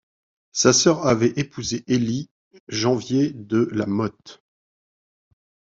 Sa sœur avait épousé Élie Janvier de La Motte.